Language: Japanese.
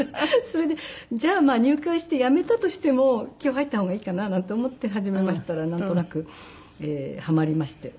それでじゃあまあ入会してやめたとしても今日入った方がいいかななんて思って始めましたらなんとなくハマりまして。